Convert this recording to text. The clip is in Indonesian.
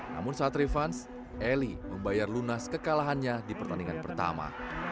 namun saat revans eli membayar lunas kekalahannya di pertandingan pertama